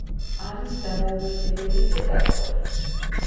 არის დამოუკიდებელი რედაქტორი.